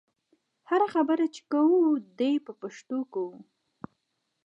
هره خبره چې کوو دې په پښتو کوو.